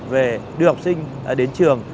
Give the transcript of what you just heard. về đưa học sinh đến trường